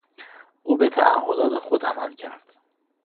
او به تعهدات خود عمل خواهد کرد.